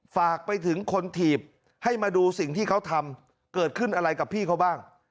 ฝากไปถึงคนถีบให้มาดูสิ่งที่เขาทำเกิดขึ้นอะไรกับพี่เขาบ้าง